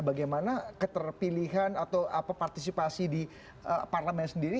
bagaimana keterpilihan atau apa partisipasi di parlement sendiri